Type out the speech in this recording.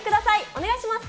お願いします。